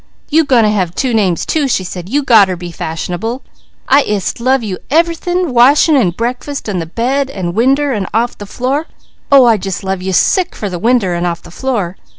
"You goin' to have two names too," she said. "You gotter be fash'nable. I ist love you for everythin', washin', an' breakfast, an' the bed, an' winder, an' off the floor; oh I just love you sick for the winder, an' off the floor.